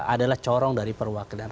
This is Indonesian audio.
adalah corong dari perwakilan